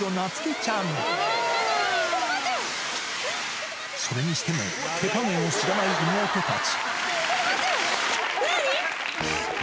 ちょっと待っそれにしても、手加減を知らない妹たち。